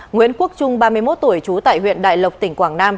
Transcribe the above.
nguyễn quốc trung ba mươi một tuổi trú tại huyện đại lộc tỉnh quảng nam